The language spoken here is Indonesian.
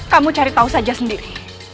kamu cari tahu saja sendiri